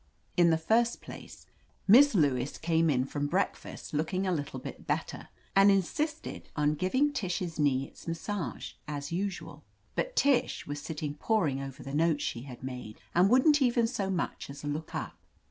In the first place, Miss Lewis came in from breakfast looking a little bit better, and insisted on giving Tish's knee its massage, as usual. But Tish was sitting poring over the notes she had made, and wouldn't even so much as look up.